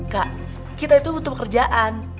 kak kita itu butuh pekerjaan